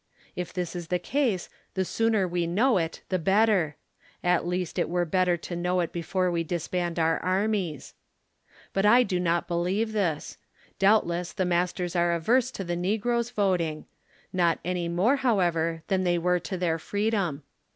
If this is the case, the sooner we know it the better; at least it were better to know it before we disband our armies. 16 But I do not believe this; doubtless the masters are averse to the negroes voting ; not an}^ more however, than they were to their freedom.